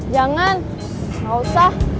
jangan gak usah